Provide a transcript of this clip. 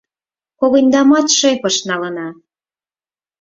— Когыньдамат шефыш налына!